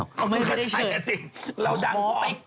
เขาไม่ได้เชิญเขาใช้แค่สิ่งเราดังไปเก็บ